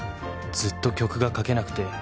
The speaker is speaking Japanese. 「ずっと曲が書けなくて」